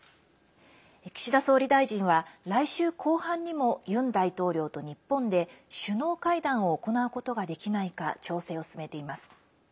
岸田総理大臣は来週後半にもユン大統領と日本で首脳会談を行うことができないか調整を進めています。